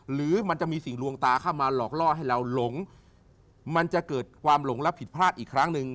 หรือมันจะมีสิ่งลวงตาเข้ามาหลอกล่อให้เราหลงมันจะเกิดความหลงและผิดพลาดอีกครั้งหนึ่ง